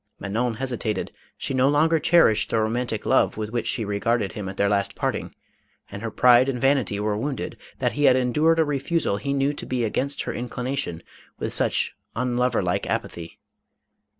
Manon hesitated. She no longer cherished the romantic love with which she re garded him at their last parting, and her pride and vanity were wounded, that he had endured a refusal he knew to be against her inclination, with such un lover like apathy.